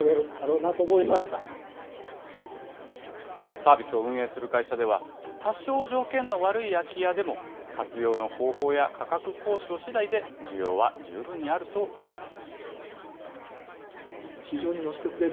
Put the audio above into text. サービスを運営する会社では、多少条件の悪い空き家でも、活用の方法や価格交渉しだいで、需要は十分にあるといいます。